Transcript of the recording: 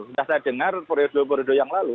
sudah saya dengar periode periode yang lalu